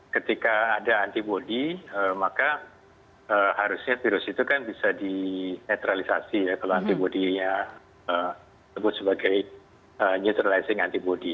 ketika ada antibody maka harusnya virus itu kan bisa dinetralisasi ya kalau antibody nya sebut sebagai neutralizing antibody